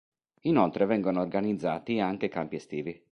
Inoltre vengono organizzati anche campi estivi.